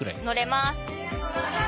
乗れます。